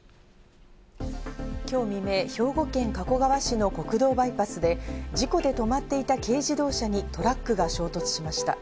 今日未明、兵庫県加古川市の国道バイパスで、事故で止まっていた軽自動車にトラックが衝突しました。